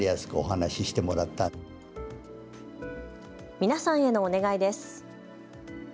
皆さんへのお願いです。